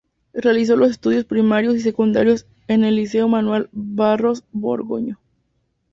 Realizó los estudios primarios y secundarios en el Liceo Manuel Barros Borgoño.